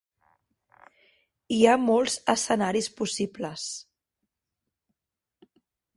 Hi ha molts escenaris possibles.